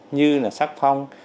như là sắc phong